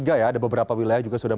ada beberapa wilayah juga sudah